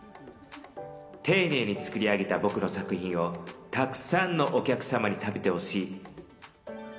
丁寧に作り上げた僕の作品をたくさんのお客さんに食べてほしい！